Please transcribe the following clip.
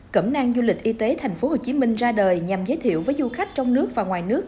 cẩm nang du lịch y tế tp hcm ra đời nhằm giới thiệu với du khách trong nước và ngoài nước